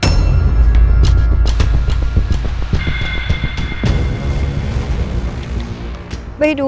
warna merah apaan